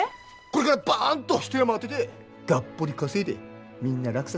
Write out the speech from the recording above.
これからバンと一山当ててがっぽり稼いでみんな楽させてやるから。